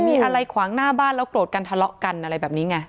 มีอะไรขวางหน้าบ้านแล้วโกรธกันทะเลาะกันอะไรแบบนี้ไง